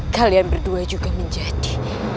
kalian berdua juga menjadi